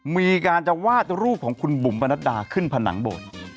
มีการจะวาดรูปของคุณบุ๋มประนัดดาขึ้นผนังโบสถ์